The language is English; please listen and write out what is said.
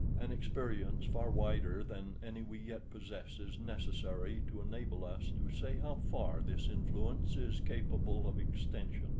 An experience far wider than any we yet possess is necessary to enable us to say how far this influence is capable of extension.